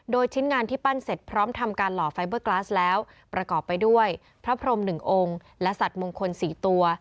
โดยชิ้นงานที่ปั้นเสร็จพร้อมทำการหล่อไฟเบอร์กลาสแล้วประกอบไปด้วยพระพรม๑องค์และสัตว์มงคล๔ตัว